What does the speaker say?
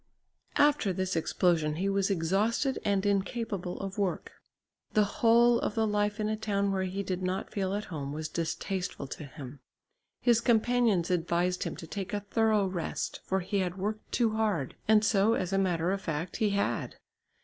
After this explosion he was exhausted and incapable of work. The whole of the life in a town where he did not feel at home was distasteful to him. His companions advised him to take a thorough rest, for he had worked too hard, and so, as a matter of fact, he had.